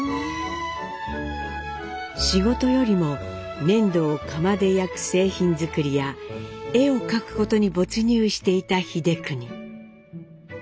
仕事よりも粘土を窯で焼く製品作りや絵を描くことに没入していた英邦。